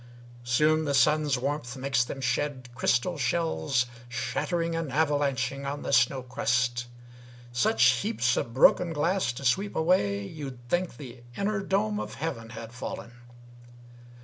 Soon the sun's warmth makes them shed crystal shells Shattering and avalanching on the snow crust Such heaps of broken glass to sweep away You'd think the inner dome of heaven had fallen.